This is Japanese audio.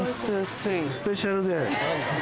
スペシャルデー。